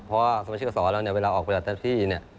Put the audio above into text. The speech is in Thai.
เพราะสมาชิกอาสารแล้วเวลาออกไปหลักทางที่เนี่ย